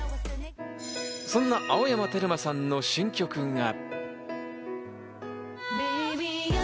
そんな青山テルマさんの新曲が。